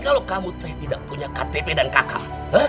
kalau kamu tidak punya ktp dan kk